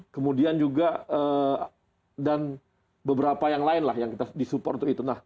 kemudian juga beberapa yang lain yang disupport itu